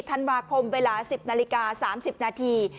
ธันวาคมเวลา๑๐นาฬิกา๓๐นาที